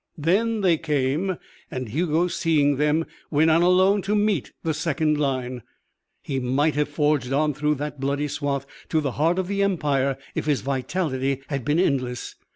Then they came, and Hugo, seeing them, went on alone to meet the second line. He might have forged on through that bloody swathe to the heart of the Empire if his vitality had been endless.